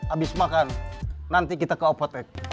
abis makan nanti kita ke apotek